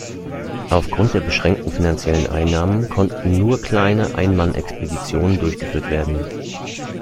Aufgrund der beschränkten finanziellen Einnahmen konnten nur kleine Ein-Mann-Expeditionen durchgeführt werden.